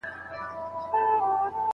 چې تلاوت وي ورته خاندي، موسيقي ته ژاړي